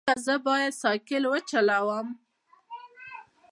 ایا زه باید سایکل وچلوم؟